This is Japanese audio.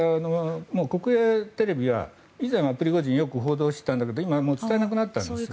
もう国営テレビは以前はプリゴジンをよく報道していたんだけど今、伝えなくなったんです。